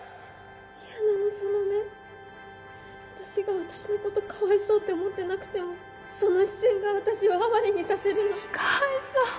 嫌なのそ私が私のことかわいそうって思ってなくてもその視線が私をあわれにさせるのかわいそう！